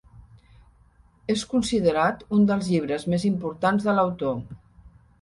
És considerat un dels llibres més importants de l'autor.